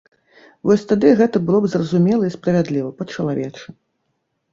Вось тады гэта было б зразумела і справядліва, па-чалавечы.